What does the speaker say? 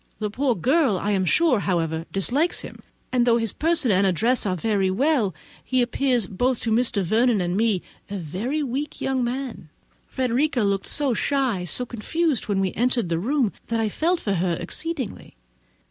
The poor girl, however, I am sure, dislikes him; and though his person and address are very well, he appears, both to Mr. Vernon and me, a very weak young man. Frederica looked so shy, so confused, when we entered the room, that I felt for her exceedingly.